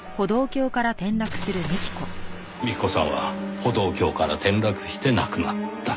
幹子さんは歩道橋から転落して亡くなった。